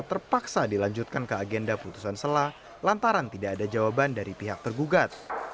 terpaksa dilanjutkan ke agenda putusan selah lantaran tidak ada jawaban dari pihak tergugat